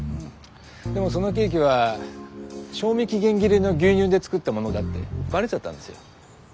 でもそのケーキは賞味期限切れの牛乳で作ったものだってバレちゃったんですよ。